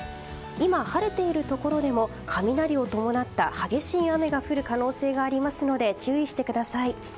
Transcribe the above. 今、晴れているところでも雷を伴った激しい雨が降る可能性がありますので注意してください。